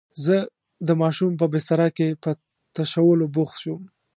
زه د ماشوم په بستره کې په تشولو بوخت شوم.